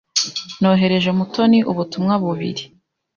Nohereje Mutoni ubutumwa bubiri.